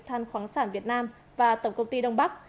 than khoáng sản việt nam và tổng công ty đông bắc